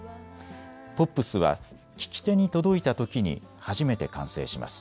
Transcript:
ポップスは聞き手に届いたときに初めて完成します。